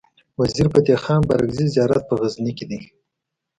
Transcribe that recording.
وزیر فتح خان بارګزی زيارت په غزنی کی دی